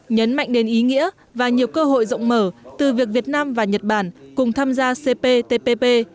nhấn mạnh đến ý nghĩa và nhiều cơ hội rộng mở từ việc việt nam và nhật bản cùng tham gia cptpp